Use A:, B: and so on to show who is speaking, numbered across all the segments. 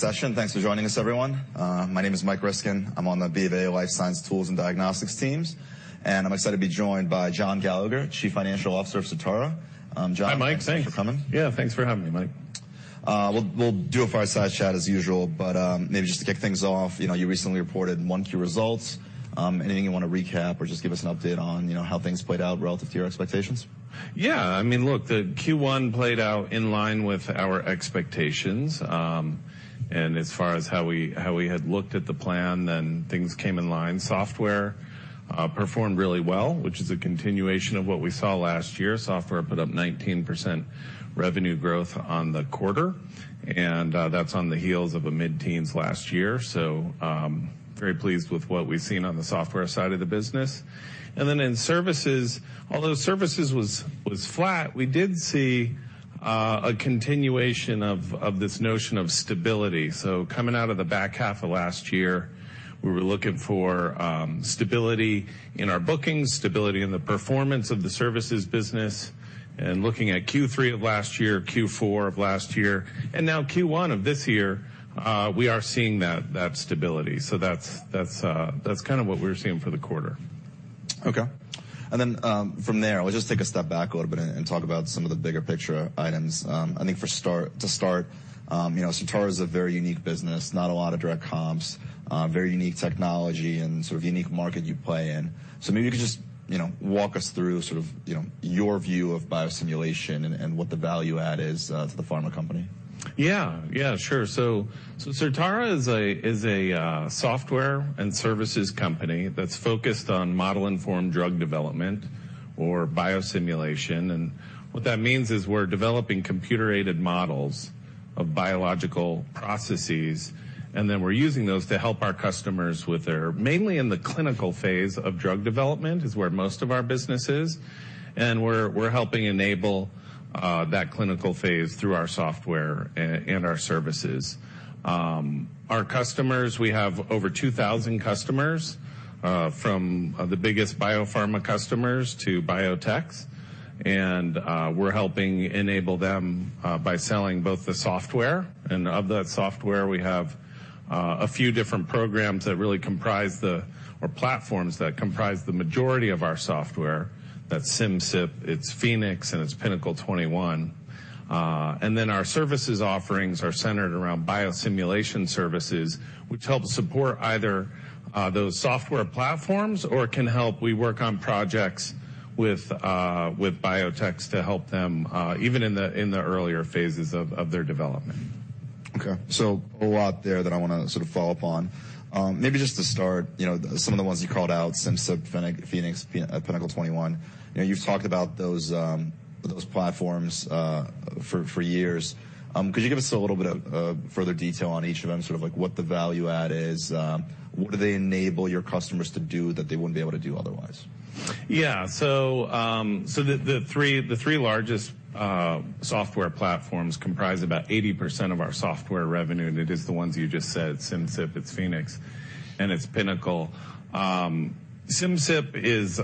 A: session. Thanks for joining us, everyone. My name is Mike Ryskin. I'm on the BofA Life Science Tools and Diagnostics teams, and I'm excited to be joined by John Gallagher, Chief Financial Officer of Certara. John-
B: Hi, Mike. Thanks.
A: Thank you for coming.
B: Yeah, thanks for having me, Mike.
A: We'll do a fireside chat as usual, but maybe just to kick things off, you know, you recently reported 1Q results. Anything you want to recap or just give us an update on, you know, how things played out relative to your expectations?
B: Yeah, I mean, look, the Q1 played out in line with our expectations. And as far as how we had looked at the plan and things came in line. Software performed really well, which is a continuation of what we saw last year. Software put up 19% revenue growth on the quarter, and that's on the heels of a mid-teens% last year. So, very pleased with what we've seen on the software side of the business. And then in Services, although Services was flat, we did see a continuation of this notion of stability. So coming out of the back half of last year, we were looking for stability in our bookings, stability in the performance of the services business, and looking at Q3 of last year, Q4 of last year, and now Q1 of this year, we are seeing that stability. So that's kind of what we're seeing for the quarter.
A: Okay. And then, from there, we'll just take a step back a little bit and talk about some of the bigger picture items. I think to start, you know, Certara is a very unique business, not a lot of direct comps, very unique technology and sort of unique market you play in. So maybe you could just, you know, walk us through sort of, you know, your view of biosimulation and what the value add is to the pharma company.
B: Yeah, yeah, sure. So Certara is a software and services company that's focused on model-informed drug development or biosimulation. And what that means is we're developing computer-aided models of biological processes, and then we're using those to help our customers with their, mainly in the clinical phase of drug development, is where most of our business is, and we're helping enable that clinical phase through our software and our services. Our customers, we have over 2,000 customers, from the biggest biopharma customers to biotechs, and we're helping enable them by selling both the software, and of that software, we have a few different programs that really comprise the, or platforms that comprise, the majority of our software. That's Simcyp, it's Phoenix, and it's Pinnacle 21. Then our Services offerings are centered around biosimulation services, which help support either those software platforms or can help—we work on projects with biotechs to help them even in the earlier phases of their development.
A: Okay. So a lot there that I want to sort of follow up on. Maybe just to start, you know, some of the ones you called out, Simcyp, Phoenix, Pinnacle 21. You know, you've talked about those, those platforms, for, for years. Could you give us a little bit of, of further detail on each of them, sort of like what the value add is? What do they enable your customers to do that they wouldn't be able to do otherwise?
B: Yeah. So, so the three largest software platforms comprise about 80% of our software revenue, and it is the ones you just said, Simcyp, it's Phoenix, and it's Pinnacle. Simcyp is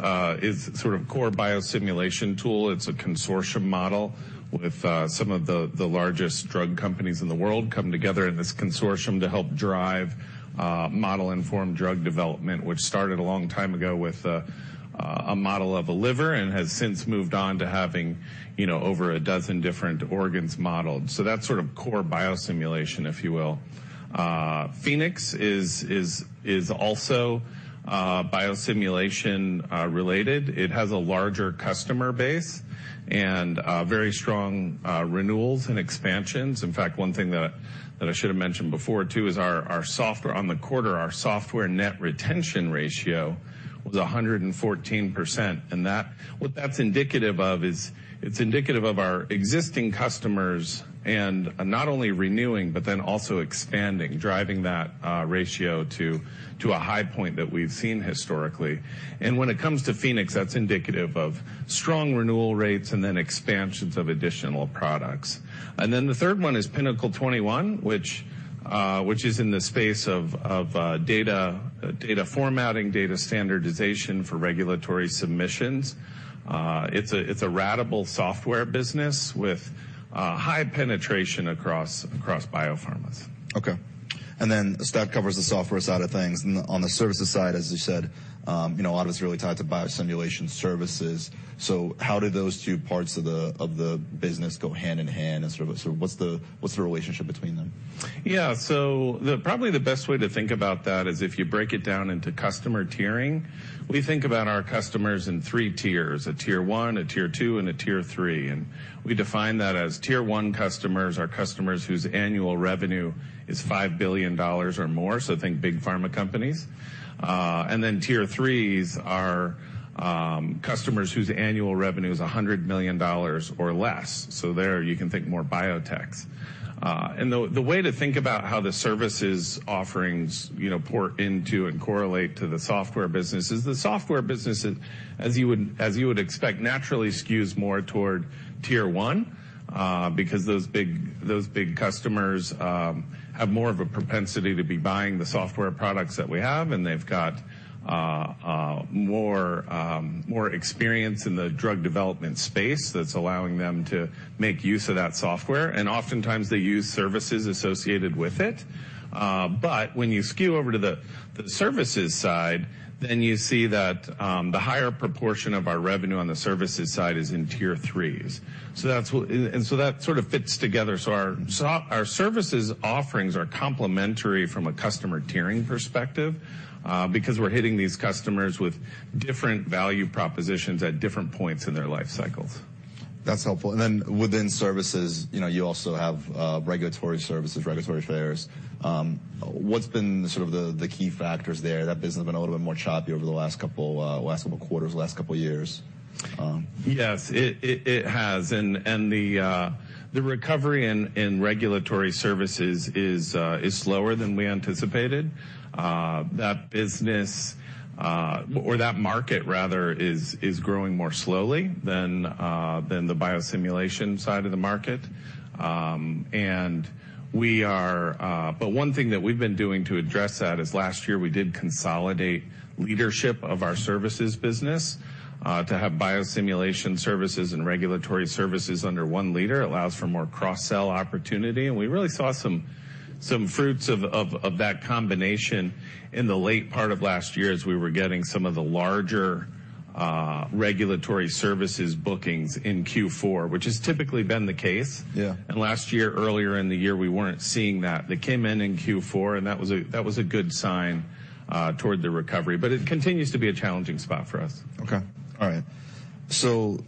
B: sort of core biosimulation tool. It's a consortium model with some of the largest drug companies in the world come together in this consortium to help drive model-informed drug development, which started a long time ago with a model of a liver and has since moved on to having, you know, over a dozen different organs modeled. So that's sort of core biosimulation, if you will. Phoenix is also biosimulation related. It has a larger customer base and very strong renewals and expansions. In fact, one thing that I should have mentioned before, too, is our software. On the quarter, our software net retention ratio was 114%. And that—what that's indicative of is, it's indicative of our existing customers and not only renewing, but then also expanding, driving that ratio to a high point that we've seen historically. And when it comes to Phoenix, that's indicative of strong renewal rates and then expansions of additional products. And then the third one is Pinnacle 21, which is in the space of data formatting, data standardization for regulatory submissions. It's a ratable software business with high penetration across biopharmas.
A: Okay. And then that covers the Software side of things. And on the Services side, as you said, you know, a lot of it's really tied to biosimulation services. So how do those two parts of the business go hand in hand and sort of, so what's the relationship between them?
B: Yeah. So probably the best way to think about that is if you break it down into customer tiering. We think about our customers in three tiers: a Tier 1, a Tier 2, and a Tier 3. And we define that as Tier 1 customers are customers whose annual revenue is $5 billion or more, so think big pharma companies. And then Tier 3s are customers whose annual revenue is $100 million or less. So there, you can think more biotechs. And the way to think about how the services offerings, you know, pour into and correlate to the software business is the software business, as you would expect, naturally skews more toward Tier 1, because those big customers have more of a propensity to be buying the software products that we have, and they've got more experience in the drug development space that's allowing them to make use of that software. And oftentimes they use services associated with it. But when you skew over to the services side, then you see that the higher proportion of our revenue on the services side is in Tier 3s. So that's what and so that sort of fits together. Our software services offerings are complementary from a customer tiering perspective, because we're hitting these customers with different value propositions at different points in their life cycles.
A: That's helpful. And then within Services, you know, you also have, Regulatory Services, Regulatory Affairs. What's been the sort of the key factors there? That business has been a little bit more choppy over the last couple last couple quarters, last couple years.
B: Yes, it has. And the Recovery in Regulatory Services is slower than we anticipated. That business, or that market rather, is growing more slowly than the biosimulation side of the market. But one thing that we've been doing to address that is last year, we did consolidate leadership of our Services business to have biosimulation services and regulatory services under one leader. Allows for more cross-sell opportunity, and we really saw some fruits of that combination in the late part of last year as we were getting some of the larger regulatory services bookings in Q4, which has typically been the case.
A: Yeah.
B: Last year, earlier in the year, we weren't seeing that. They came in in Q4, and that was a, that was a good sign toward the recovery, but it continues to be a challenging spot for us.
A: Okay. All right. So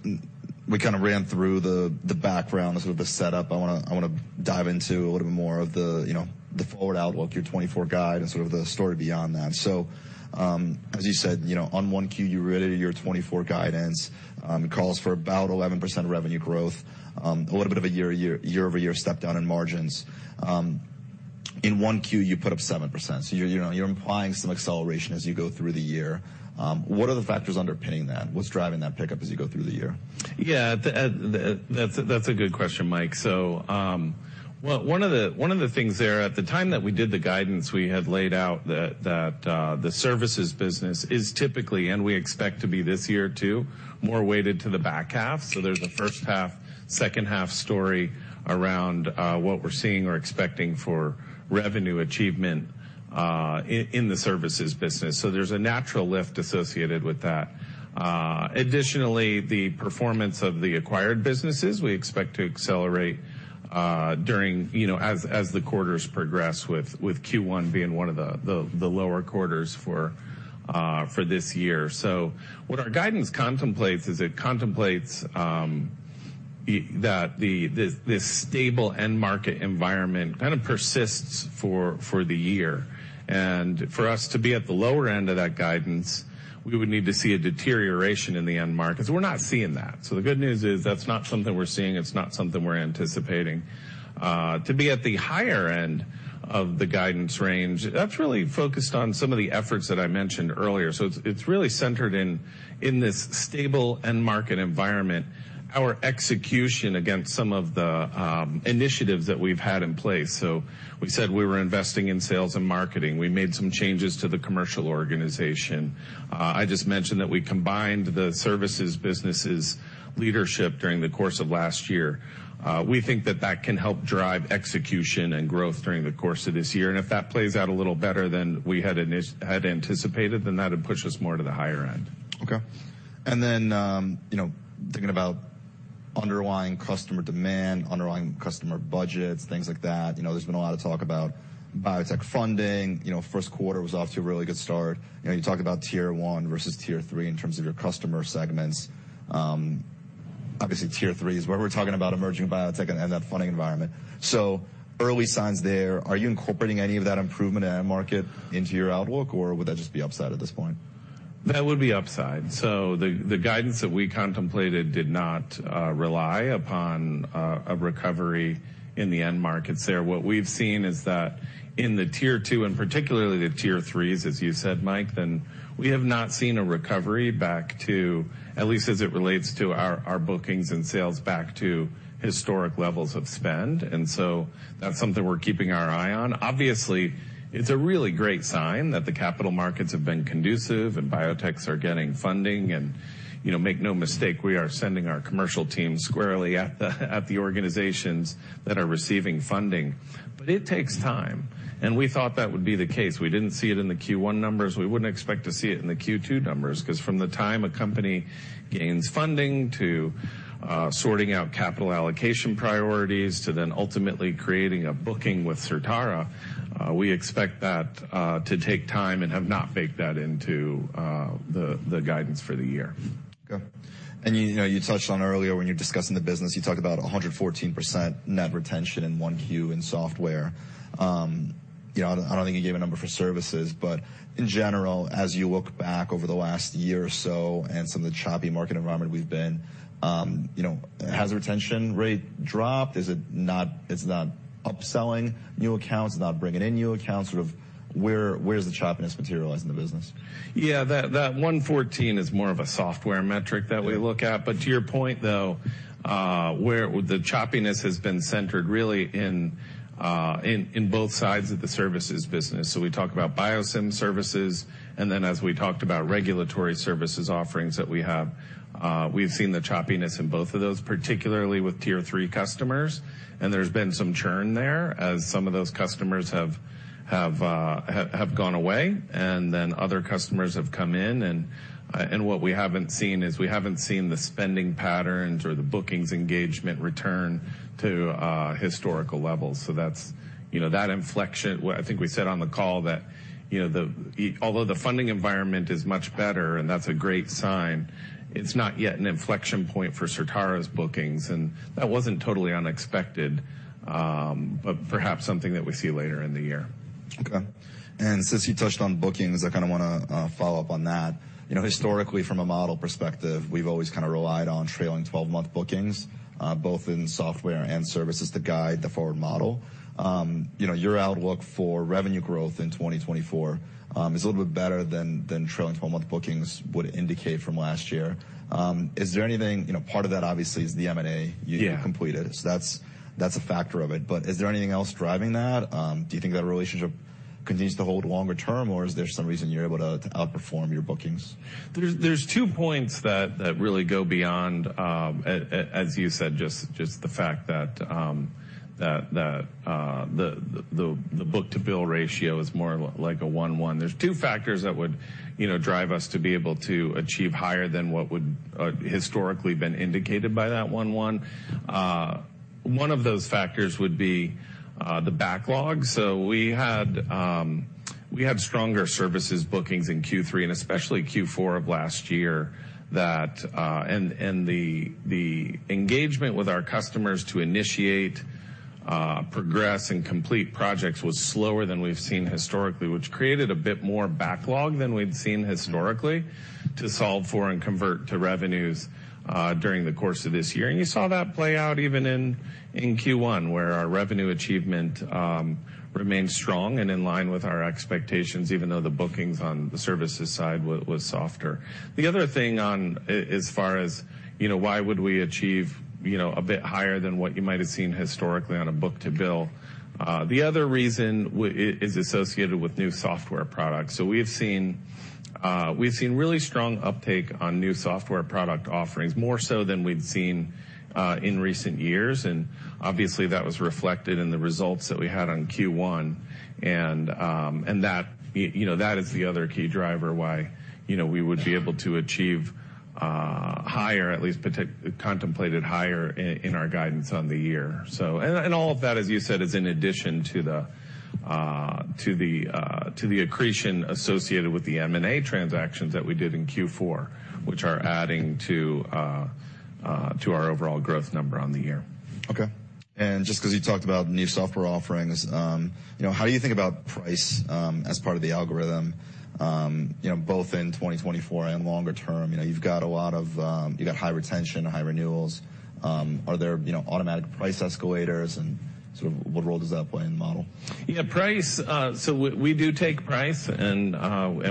A: we kinda ran through the background, the sort of the setup. I wanna dive into a little bit more of the, you know, the forward outlook, your 2024 guide and sort of the story beyond that. So, as you said, you know, on 1Q, you reissued your 2024 guidance, it calls for about 11% revenue growth, a little bit of a year-over-year step down in margins. In 1Q, you put up 7%. So you, you know, you're implying some acceleration as you go through the year. What are the factors underpinning that? What's driving that pickup as you go through the year?
B: Yeah, that's a good question, Mike. So, well, one of the things there, at the time that we did the guidance, we had laid out that the services business is typically, and we expect to be this year, too, more weighted to the back half. So there's a first half, second half story around what we're seeing or expecting for revenue achievement in the services business. So there's a natural lift associated with that. Additionally, the performance of the acquired businesses, we expect to accelerate during, you know, as the quarters progress, with Q1 being one of the lower quarters for this year. So what our guidance contemplates is, it contemplates that the stable end market environment kind of persists for the year. For us to be at the lower end of that guidance, we would need to see a deterioration in the end markets. We're not seeing that. The good news is that's not something we're seeing. It's not something we're anticipating. To be at the higher end of the guidance range, that's really focused on some of the efforts that I mentioned earlier. It's really centered in this stable end market environment, our execution against some of the initiatives that we've had in place. We said we were investing in sales and marketing. We made some changes to the commercial organization. I just mentioned that we combined the services businesses leadership during the course of last year. We think that that can help drive execution and growth during the course of this year, and if that plays out a little better than we had anticipated, then that would push us more to the higher end.
A: Okay. And then, you know, thinking about underlying customer demand, underlying customer budgets, things like that, you know, there's been a lot of talk about biotech funding. You know, first quarter was off to a really good start. You know, you talk about Tier 1 versus Tier 3 in terms of your customer segments. Obviously, Tier 3 is where we're talking about emerging biotech and that funding environment. So early signs there, are you incorporating any of that improvement in that market into your outlook, or would that just be upside at this point?
B: That would be upside. So the guidance that we contemplated did not rely upon a recovery in the end markets there. What we've seen is that in the Tier 2, and particularly the Tier 3s, as you said, Mike, we have not seen a recovery back to, at least as it relates to our bookings and sales, back to historic levels of spend. And so that's something we're keeping our eye on. Obviously, it's a really great sign that the capital markets have been conducive, and biotechs are getting funding. And, you know, make no mistake, we are sending our commercial team squarely at the organizations that are receiving funding. But it takes time, and we thought that would be the case. We didn't see it in the Q1 numbers. We wouldn't expect to see it in the Q2 numbers, 'cause from the time a company gains funding to, sorting out capital allocation priorities, to then ultimately creating a booking with Certara, we expect that, to take time and have not baked that into, the guidance for the year.
A: Okay. And you know, you touched on earlier when you were discussing the business, you talked about 114% net retention in 1Q in software. You know, I don't think you gave a number for services, but in general, as you look back over the last year or so and some of the choppy market environment we've been, you know, has the retention rate dropped? Is it not—it's not upselling new accounts, not bringing in new accounts? Sort of where's the choppiness materializing in the business?
B: Yeah, that 114 is more of a software metric that we look at. But to your point, though, where the choppiness has been centered really in both sides of the services business. So we talk about biosim services, and then as we talked about regulatory services offerings that we have, we've seen the choppiness in both of those, particularly with Tier 3 customers. And there's been some churn there as some of those customers have gone away, and then other customers have come in. And what we haven't seen is we haven't seen the spending patterns or the bookings engagement return to historical levels. So that's, you know, that inflection. Well, I think we said on the call that, you know, although the funding environment is much better, and that's a great sign, it's not yet an inflection point for Certara's bookings, and that wasn't totally unexpected, but perhaps something that we see later in the year.
A: Okay. And since you touched on bookings, I kind of wanna follow up on that. You know, historically, from a model perspective, we've always kind of relied on trailing twelve-month bookings, both in software and services, to guide the forward model. You know, your outlook for revenue growth in 2024 is a little bit better than, than trailing twelve-month bookings would indicate from last year. Is there anything... You know, part of that, obviously, is the M&A you completed.
B: Yeah.
A: So that's, that's a factor of it, but is there anything else driving that? Do you think that relationship continues to hold longer term, or is there some reason you're able to, to outperform your bookings?
B: There's two points that really go beyond, as you said, just the fact that the book-to-bill ratio is more like a 1:1. There's two factors that would, you know, drive us to be able to achieve higher than what would historically been indicated by that 1:1. One of those factors would be the backlog. So we had stronger services bookings in Q3, and especially Q4 of last year, and the engagement with our customers to initiate, progress and complete projects was slower than we've seen historically, which created a bit more backlog than we'd seen historically, to solve for and convert to revenues during the course of this year. And you saw that play out even in Q1, where our revenue achievement remained strong and in line with our expectations, even though the bookings on the services side was softer. The other thing, as far as, you know, why would we achieve, you know, a bit higher than what you might have seen historically on a book-to-bill, the other reason is associated with new software products. So we've seen really strong uptake on new software product offerings, more so than we've seen in recent years, and obviously that was reflected in the results that we had on Q1. And that, you know, that is the other key driver, why, you know, we would be able to achieve higher, at least contemplated higher in our guidance on the year. So... And all of that, as you said, is in addition to the accretion associated with the M&A transactions that we did in Q4, which are adding to our overall growth number on the year.
A: Okay. Just 'cause you talked about new software offerings, you know, how do you think about price as part of the algorithm, you know, both in 2024 and longer term? You know, you've got a lot of, you've got high retention and high renewals. Are there, you know, automatic price escalators, and sort of what role does that play in the model?
B: Yeah, price, so we do take price, and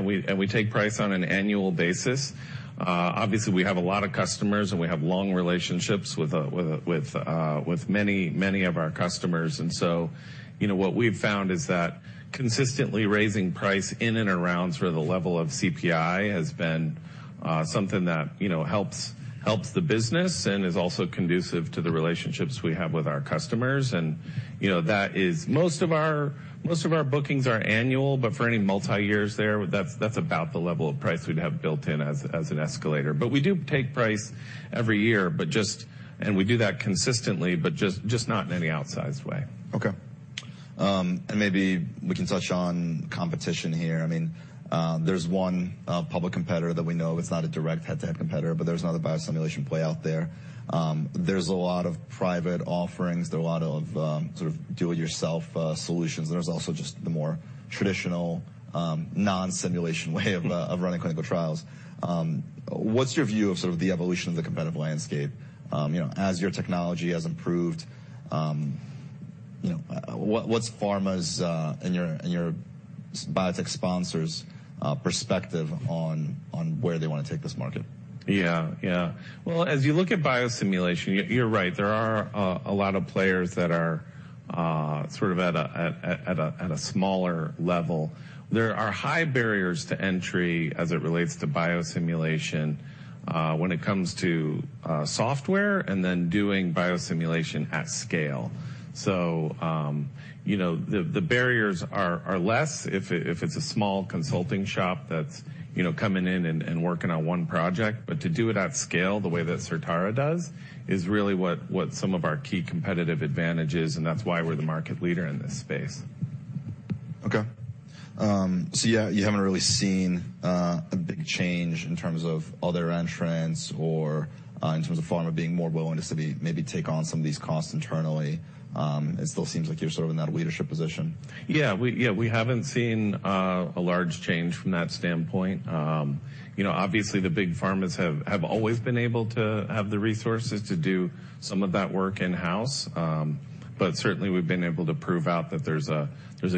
B: we take price on an annual basis. Obviously, we have a lot of customers, and we have long relationships with many, many of our customers. And so, you know, what we've found is that consistently raising price in and around sort of the level of CPI has been something that, you know, helps the business and is also conducive to the relationships we have with our customers. And, you know, that is... Most of our bookings are annual, but for any multi-years there, that's about the level of price we'd have built in as an escalator. But we do take price every year, but just and we do that consistently, but just not in any outsized way.
A: Okay. Maybe we can touch on competition here. I mean, there's one public competitor that we know. It's not a direct head-to-head competitor, but there's another biosimulation play out there. There's a lot of private offerings. There are a lot of sort of do-it-yourself solutions. There's also just the more traditional non-simulation way of running clinical trials. What's your view of sort of the evolution of the competitive landscape? You know, as your technology has improved, you know, what's pharma's biotech sponsors perspective on where they want to take this market?
B: Yeah, yeah. Well, as you look at biosimulation, you're right, there are a lot of players that are sort of at a smaller level. There are high barriers to entry as it relates to biosimulation, when it comes to software and then doing biosimulation at scale. So, you know, the barriers are less if it's a small consulting shop that's coming in and working on one project. But to do it at scale, the way that Certara does, is really what some of our key competitive advantage is, and that's why we're the market leader in this space.
A: Okay. So yeah, you haven't really seen a big change in terms of other entrants or in terms of pharma being more willing to sort of maybe take on some of these costs internally? It still seems like you're sort of in that leadership position.
B: Yeah, we haven't seen a large change from that standpoint. You know, obviously, the big pharmas have always been able to have the resources to do some of that work in-house. But certainly, we've been able to prove out that there's a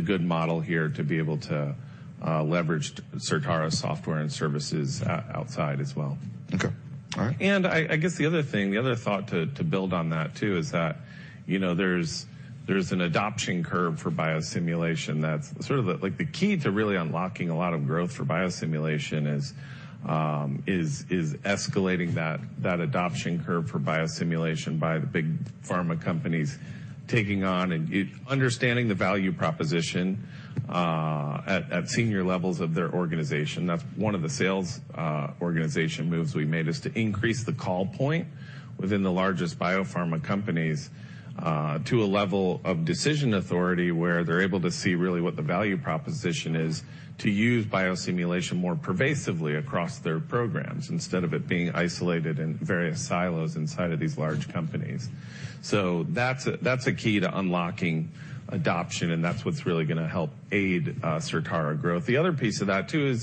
B: good model here to be able to leverage Certara's software and services outside as well.
A: Okay. All right.
B: And I guess the other thing, the other thought to build on that, too, is that, you know, there's an adoption curve for biosimulation that's... Sort of, like, the key to really unlocking a lot of growth for biosimulation is escalating that adoption curve for biosimulation by the big pharma companies taking on and understanding the value proposition at senior levels of their organization. That's one of the sales organization moves we made, is to increase the call point within the largest biopharma companies to a level of decision authority, where they're able to see really what the value proposition is to use biosimulation more pervasively across their programs, instead of it being isolated in various silos inside of these large companies. So that's a, that's a key to unlocking adoption, and that's what's really gonna help aid Certara growth. The other piece of that, too,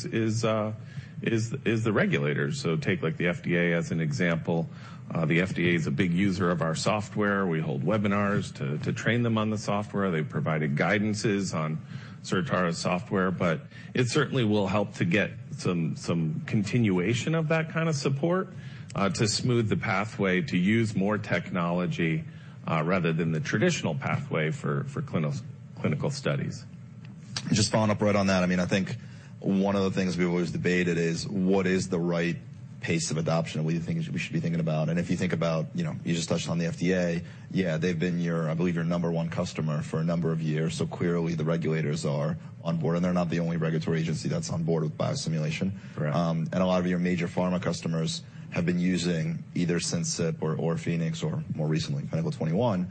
B: is the regulators. So take, like, the FDA as an example. The FDA is a big user of our software. We hold webinars to train them on the software. They've provided guidances on Certara's software, but it certainly will help to get some continuation of that kind of support, to smooth the pathway to use more technology, rather than the traditional pathway for clinical studies.
A: Just following up right on that, I mean, I think one of the things we always debated is: What is the right pace of adoption? What do you think we should be thinking about? And if you think about, you know, you just touched on the FDA, yeah, they've been your, I believe, your number one customer for a number of years, so clearly, the regulators are on board, and they're not the only regulatory agency that's on board with biosimulation.
B: Correct.
A: And a lot of your major pharma customers have been using either Simcyp or, or Phoenix or, more recently, Pinnacle 21,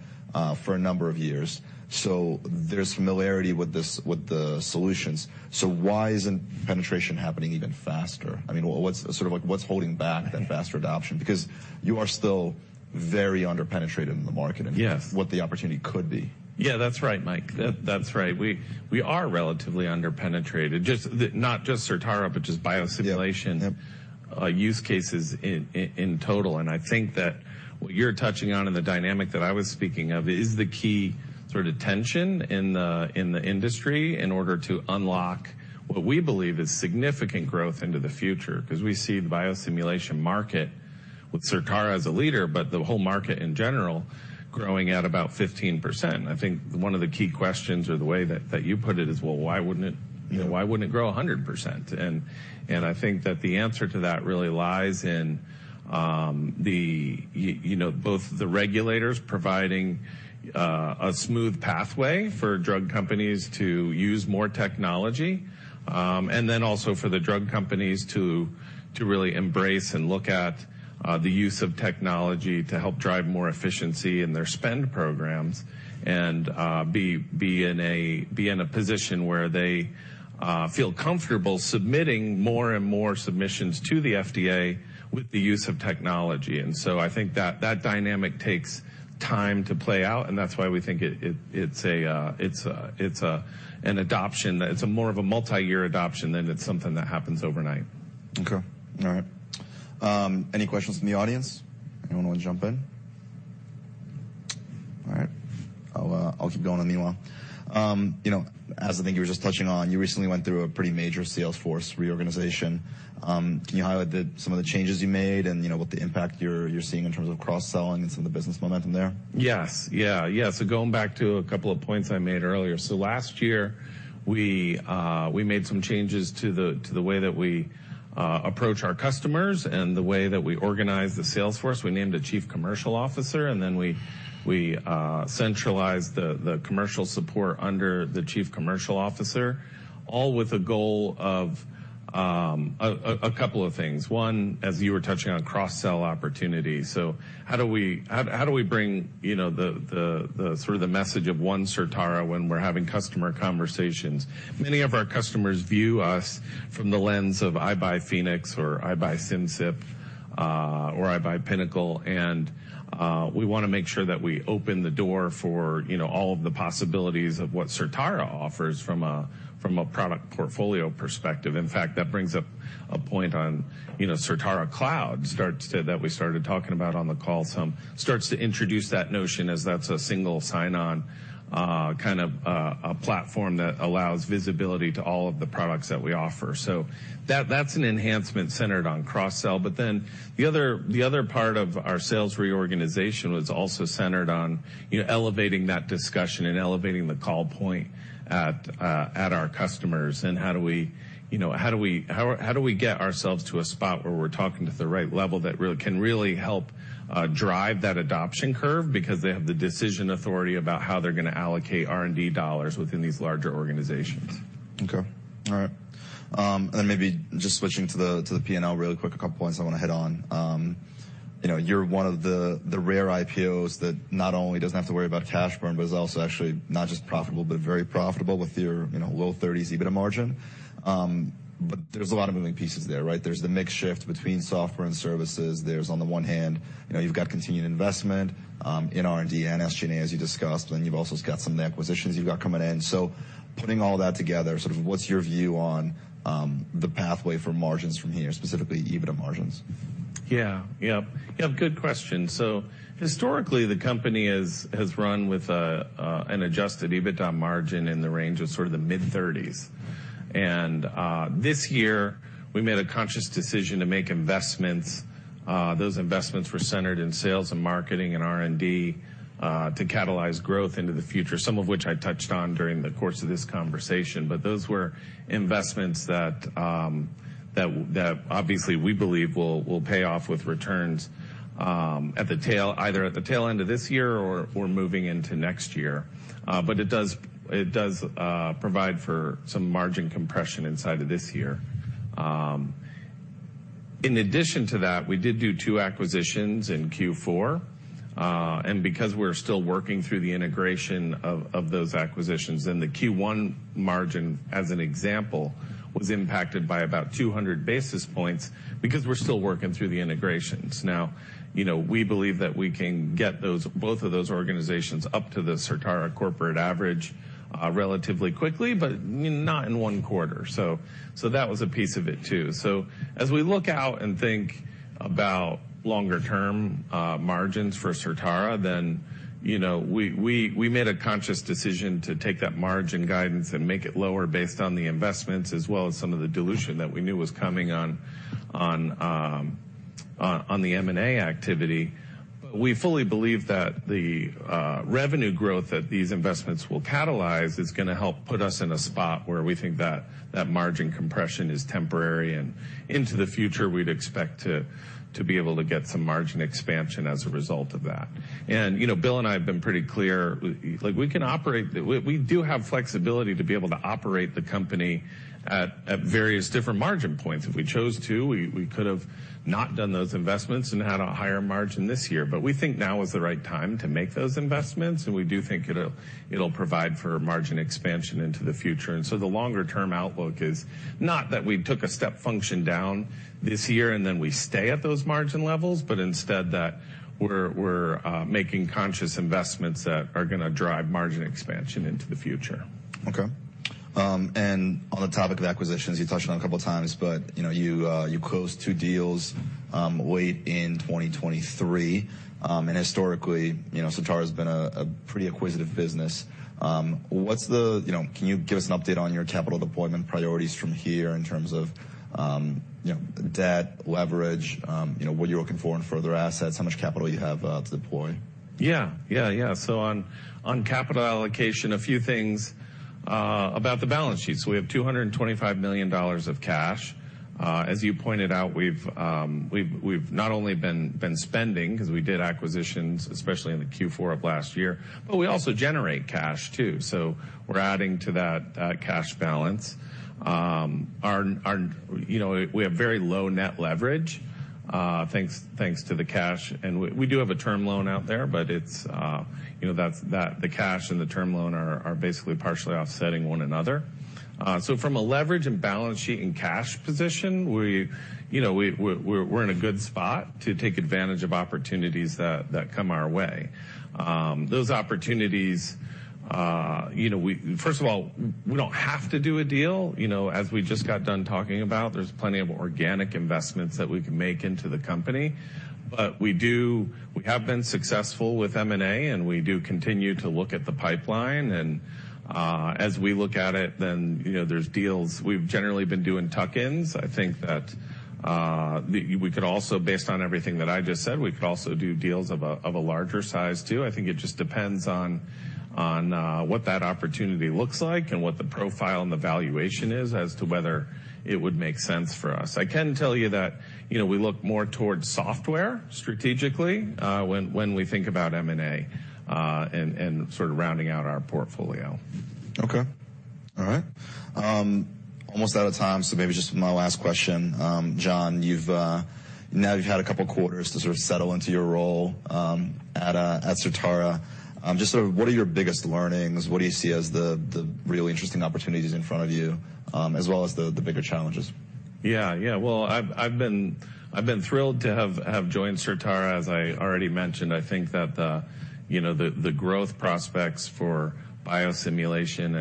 A: for a number of years. So there's familiarity with this, with the solutions. So why isn't penetration happening even faster? I mean, what's... Sort of like, what's holding back that faster adoption? Because you are still very under-penetrated in the market-
B: Yes
A: and what the opportunity could be.
B: Yeah, that's right, Mike. That's right. We are relatively under-penetrated, just the—not just Certara, but just biosimulation-
A: Yeah. Yep
B: use cases in total, and I think that what you're touching on and the dynamic that I was speaking of is the key sort of tension in the industry in order to unlock what we believe is significant growth into the future. Because we see the biosimulation market with Certara as a leader, but the whole market, in general, growing at about 15%. I think one of the key questions or the way that you put it is, well, why wouldn't it-
A: Yeah...
B: why wouldn't it grow 100%? And I think that the answer to that really lies in you know, both the regulators providing a smooth pathway for drug companies to use more technology, and then also for the drug companies to really embrace and look at the use of technology to help drive more efficiency in their spend programs and be in a position where they feel comfortable submitting more and more submissions to the FDA with the use of technology. And so I think that that dynamic takes time to play out, and that's why we think it's an adoption - it's more of a multiyear adoption than it's something that happens overnight.
A: Okay. All right. Any questions from the audience? Anyone want to jump in? All right, I'll, I'll keep going in the meanwhile. You know, as I think you were just touching on, you recently went through a pretty major sales force reorganization. Can you highlight the, some of the changes you made and, you know, what the impact you're, you're seeing in terms of cross-selling and some of the business momentum there?
B: Yes. Yeah, yeah. So going back to a couple of points I made earlier. So last year, we made some changes to the way that we approach our customers and the way that we organize the sales force. We named a Chief Commercial Officer, and then we centralized the commercial support under the Chief Commercial Officer, all with the goal of a couple of things. One, as you were touching on cross-sell opportunities. So how do we bring, you know, the sort of the message of one Certara when we're having customer conversations? Many of our customers view us from the lens of, "I buy Phoenix," or, "I buy Simcyp," or, "I buy Pinnacle." And we wanna make sure that we open the door for, you know, all of the possibilities of what Certara offers from a, from a product portfolio perspective. In fact, that brings up a point on, you know, Certara Cloud that we started talking about on the call, starts to introduce that notion as that's a single sign-on kind of a platform that allows visibility to all of the products that we offer. So that, that's an enhancement centered on cross-sell. But then the other, the other part of our sales reorganization was also centered on, you know, elevating that discussion and elevating the call point at our customers. How do we, you know, get ourselves to a spot where we're talking at the right level that really can really help drive that adoption curve? Because they have the decision authority about how they're gonna allocate R&D dollars within these larger organizations.
A: Okay. All right. And then maybe just switching to the, to the P&L really quick, a couple points I want to hit on. You know, you're one of the, the rare IPOs that not only doesn't have to worry about cash burn, but is also actually not just profitable, but very profitable with your, you know, low 30s EBITDA margin. But there's a lot of moving pieces there, right? There's the mix shift between software and services. There's, on the one hand, you know, you've got continued investment, in R&D and SG&A, as you discussed, and you've also got some acquisitions you've got coming in. So putting all that together, sort of what's your view on, the pathway for margins from here, specifically EBITDA margins?
B: Yeah. Yep. Yep, good question. So historically, the company has run with an Adjusted EBITDA margin in the range of sort of the mid-30s. This year, we made a conscious decision to make investments. Those investments were centered in sales and marketing and R&D to catalyze growth into the future, some of which I touched on during the course of this conversation. But those were investments that obviously we believe will pay off with returns at the tail end of this year or moving into next year. But it does provide for some margin compression inside of this year. In addition to that, we did two acquisitions in Q4. And because we're still working through the integration of those acquisitions, then the Q1 margin, as an example, was impacted by about 200 basis points because we're still working through the integrations. Now, you know, we believe that we can get those—both of those organizations up to the Certara corporate average, relatively quickly, but, you know, not in one quarter. So that was a piece of it, too. So as we look out and think about longer-term, margins for Certara, then, you know, we made a conscious decision to take that margin guidance and make it lower based on the investments, as well as some of the dilution that we knew was coming on the M&A activity. We fully believe that the revenue growth that these investments will catalyze is gonna help put us in a spot where we think that that margin compression is temporary, and into the future, we'd expect to be able to get some margin expansion as a result of that. You know, Bill and I have been pretty clear. Like, we can operate. We do have flexibility to be able to operate the company at various different margin points. If we chose to, we could have not done those investments and had a higher margin this year. But we think now is the right time to make those investments, and we do think it'll provide for margin expansion into the future. And so the longer-term outlook is not that we took a step function down this year, and then we stay at those margin levels, but instead that we're making conscious investments that are gonna drive margin expansion into the future.
A: Okay. And on the topic of acquisitions, you touched on it a couple of times, but, you know, you closed two deals late in 2023. And historically, you know, Certara has been a pretty acquisitive business. What's... You know, can you give us an update on your capital deployment priorities from here in terms of, you know, debt, leverage, you know, what you're looking for in further assets, how much capital you have to deploy?
B: Yeah. Yeah, yeah. So on capital allocation, a few things about the balance sheet. So we have $225 million of cash. As you pointed out, we've not only been spending, because we did acquisitions, especially in the Q4 of last year, but we also generate cash, too. So we're adding to that cash balance. You know, we have very low net leverage, thanks to the cash. And we do have a term loan out there, but it's, you know, that's the cash and the term loan are basically partially offsetting one another. So from a leverage and balance sheet and cash position, you know, we're in a good spot to take advantage of opportunities that come our way. Those opportunities, you know. First of all, we don't have to do a deal. You know, as we just got done talking about, there's plenty of organic investments that we can make into the company. But we have been successful with M&A, and we do continue to look at the pipeline. And, as we look at it, then, you know, there's deals. We've generally been doing tuck-ins. I think that we could also, based on everything that I just said, we could also do deals of a, of a larger size, too. I think it just depends on what that opportunity looks like and what the profile and the valuation is as to whether it would make sense for us. I can tell you that, you know, we look more towards software strategically, when we think about M&A, and sort of rounding out our portfolio.
A: Okay. All right. Almost out of time, so maybe just my last question. John, now you've had a couple of quarters to sort of settle into your role at Certara. Just sort of what are your biggest learnings? What do you see as the really interesting opportunities in front of you, as well as the bigger challenges?
B: Yeah, yeah. Well, I've been thrilled to have joined Certara. As I already mentioned, I think that the, you know, the growth prospects for biosimulation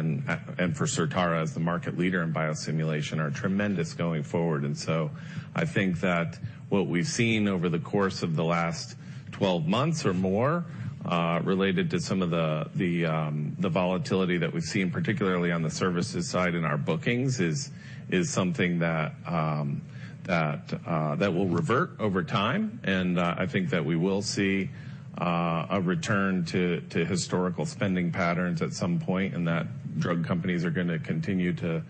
B: and for Certara as the market leader in biosimulation are tremendous going forward. And so I think that what we've seen over the course of the last 12 months or more, related to some of the, the volatility that we've seen, particularly on the services side in our bookings, is something that will revert over time. And I think that we will see a return to historical spending patterns at some point, and that drug companies are gonna continue to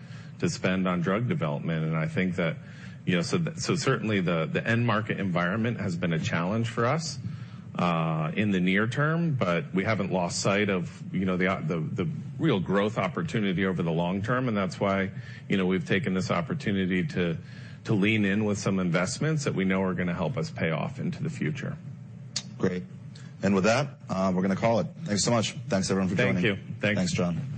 B: spend on drug development. And I think that, you know, so certainly, the end market environment has been a challenge for us in the near term, but we haven't lost sight of, you know, the real growth opportunity over the long term, and that's why, you know, we've taken this opportunity to lean in with some investments that we know are gonna help us pay off into the future.
A: Great. And with that, we're gonna call it. Thank you so much. Thanks, everyone, for joining.
B: Thank you. Thanks.
A: Thanks, John.